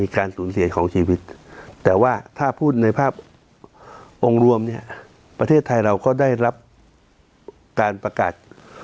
การประกาศ